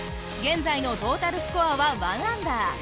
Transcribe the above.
現在のトータルスコアは１アンダー。